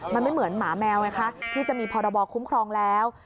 มันไม่เหมือนหมาแมวไงคะที่จะมีพรบคุ้มครองแล้ว